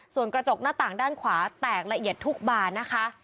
ส่วนกระจกหน้าต่างด้านขวาแตกละเอียดทุกบานนะคะ